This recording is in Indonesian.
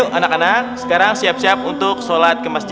eh syakir sekarang kita siap siap untuk sholat ke masjid yuk